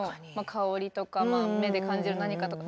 香りとか目で感じる何かとか。